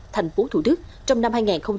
tp thủ đức trong năm hai nghìn hai mươi bốn